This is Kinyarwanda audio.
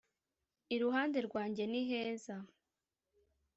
iruhande rwanjye niheza.